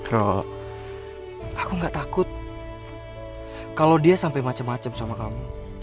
roro aku gak takut kalau dia sampai macem macem sama kamu